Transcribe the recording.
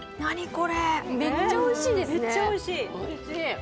これめっちゃおいしいですね・